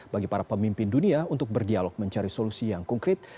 bagi para pemimpin dunia untuk berdialog mencari solusi yang konkret